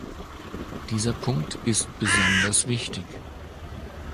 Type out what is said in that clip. Dieser Punkt ist besonders wichtig.